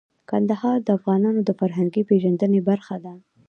کندهار د افغانانو د فرهنګي پیژندنې برخه ده.